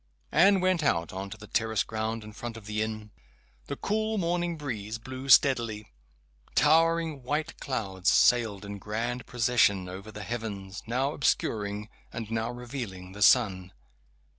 Anne went out on to the terrace ground in front of the inn. The cool morning breeze blew steadily. Towering white clouds sailed in grand procession over the heavens, now obscuring, and now revealing the sun.